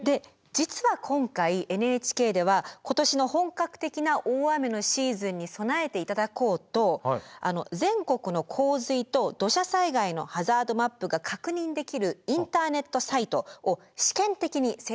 実は今回ＮＨＫでは今年の本格的な大雨のシーズンに備えていただこうと全国の洪水と土砂災害のハザードマップが確認できるインターネットサイトを試験的に制作いたしました。